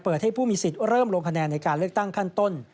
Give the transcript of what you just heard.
ให้ผู้มีสิทธิ์เริ่มลงคะแนนในการเลือกตั้งขั้นต้น